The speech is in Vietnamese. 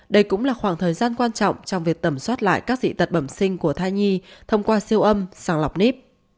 đây cũng là khoảng thời gian quan trọng trong việc tẩm soát lại các dị tật bẩm sinh của thai nhi thông qua siêu âm sàng lọc nếp